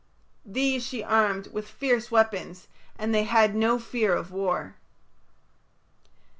These she armed with fierce weapons and they had no fear of war.